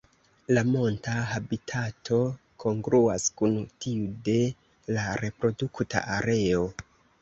La monta habitato kongruas kun tiu de la reprodukta areo.